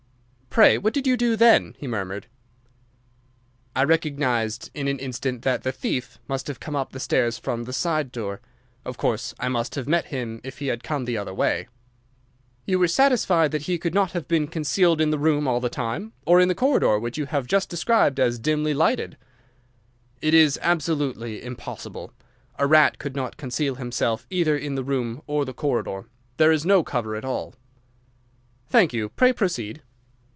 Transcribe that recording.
"Pray, what did you do then?" he murmured. "I recognised in an instant that the thief must have come up the stairs from the side door. Of course I must have met him if he had come the other way." "You were satisfied that he could not have been concealed in the room all the time, or in the corridor which you have just described as dimly lighted?" "It is absolutely impossible. A rat could not conceal himself either in the room or the corridor. There is no cover at all." "Thank you. Pray proceed."